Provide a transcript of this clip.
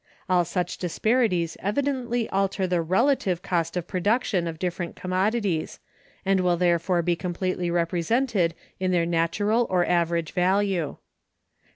All such disparities evidently alter the relative cost of production of different commodities, and will therefore be completely represented in their natural or average value.